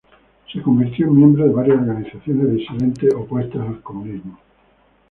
Se convirtió en miembro de varias organizaciones disidentes opuestas al comunismo.